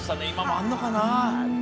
今もあんのかな？